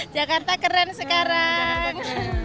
jakarta keren sekarang